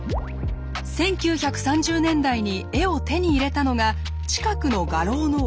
１９３０年代に絵を手に入れたのが近くの画廊のオーナー。